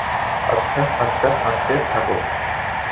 আচ্ছা, আচ্ছা, হাঁটতে থাকো।